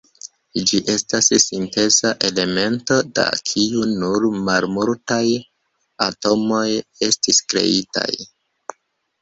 Ĝi estas sinteza elemento, da kiu nur malmultaj atomoj estis kreitaj.